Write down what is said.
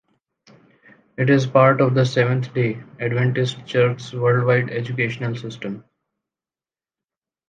It is part of the Seventh-day Adventist Church's worldwide educational system.